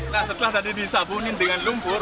nah setelah tadi disabunin dengan lumpur